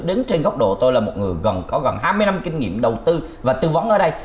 đứng trên góc độ tôi là một người gần có gần hai mươi năm kinh nghiệm đầu tư và tư vấn ở đây